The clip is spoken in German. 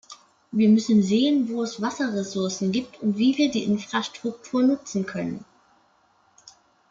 Wir müssen sehen, wo es Wasserressourcen gibt und wie wir die Infrastruktur nutzen können.